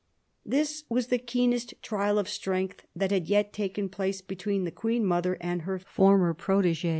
This was the keenest trial of strength that had yet taken place between the Queen mother and her former protege.